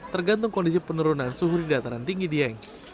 tergantung kondisi penurunan suhu di dataran tinggi dieng